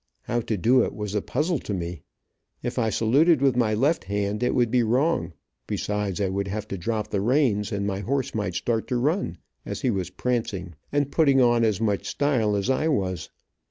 How to do it was a puzzle to me. If I saluted with my left hand, it would be wrong, besides I would have to drop the reins, and my horse might start to run, as he was prancing and putting on as much style as I was.